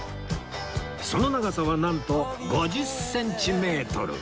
その長さはなんと５０センチメートル